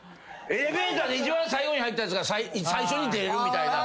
エレベーターで一番最後に入ったやつが最初に出れるみたいな。